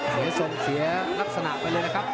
เสียทรงเสียลักษณะไปเลยนะครับ